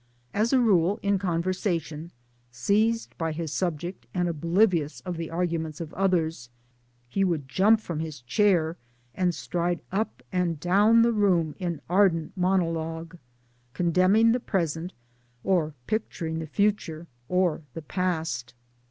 As a rule in conversation, seized by his subject, and oblivious of the arguments of others, he would jump from his chair and stride up and down the room in ardent monologue condemning the present or picturing the future or the past.